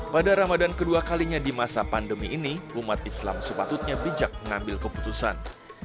pada ramadan kedua kalinya di masa pandemi ini umat islam sepatutnya bijak mengambil keputusan